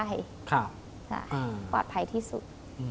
ใช่ค่ะปลอดภัยที่สุด